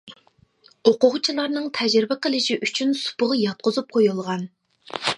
ئوقۇغۇچىلارنىڭ تەجرىبە قىلىشى ئۈچۈن سۇپىغا ياتقۇزۇپ قويۇلغان.